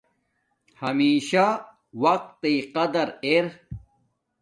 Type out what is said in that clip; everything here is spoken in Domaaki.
ہمشہ وقت تݵ قدر ار